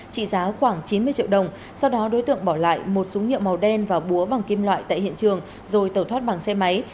trị giá khoảng chín mươi triệu đồng sau đó đối tượng bỏ lại một súng nhựa màu đen và búa bằng kim loại tại hiện trường rồi tẩu thoát bằng xe máy